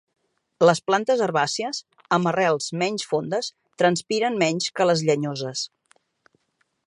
Les plantes herbàcies, amb arrels menys fondes, transpiren menys que les llenyoses.